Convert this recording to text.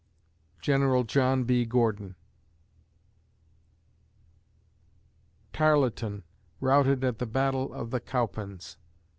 GENERAL JOHN B. GORDON _Tarleton routed at the battle of the Cowpens, S.